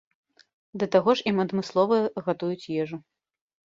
Да таго ж ім адмыслова гатуюць ежу.